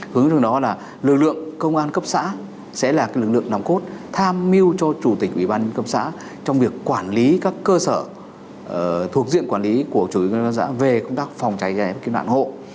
hướng dẫn đó là lực lượng công an cấp xã sẽ là lực lượng nằm cốt tham mưu cho chủ tịch ủy ban nhân dân cấp xã trong việc quản lý các cơ sở thuộc diện quản lý của chủ tịch ủy ban nhân dân cấp xã về công tác phòng cháy cháy và kiếm đoạn hộ